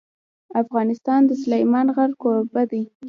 افغانستان د سلیمان غر کوربه دی.